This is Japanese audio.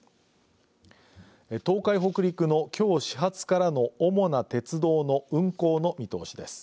東海北陸のきょう始発からの主な鉄道の運行の見通しです。